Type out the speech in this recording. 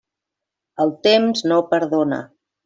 El temps no perdona.